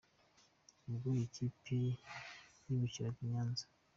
Ubwo iyi kipe yimukiraga i Nyanza,.